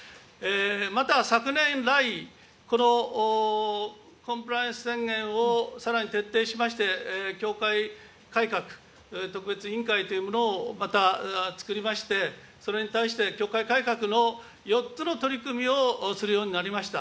また昨年来、コンプライアンス宣言をさらに徹底しまして、教会改革特別委員会というものをまた作りまして、それに対して、教会改革の４つの取り組みをするようになりました。